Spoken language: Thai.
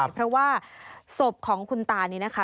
เพราะว่าศพของคุณตานี่นะคะ